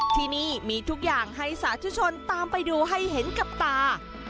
ที่นี่มีทุกอย่างให้สาธุชนตามไปดูให้เห็นกับตา